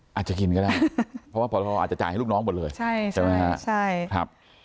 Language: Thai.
อาจจะกินก็ได้เพราะว่าพอทอาจจะจ่ายให้ลูกน้องหมดเลยใช่ไหมฮะใช่ครับ